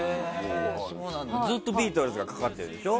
ずっとビートルズがかかっているんでしょ。